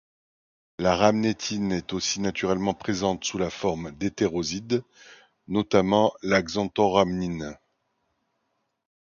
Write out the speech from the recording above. La rhamnétine est aussi naturellement présente sous la forme d'hétérosides, notamment la xanthorhamnine.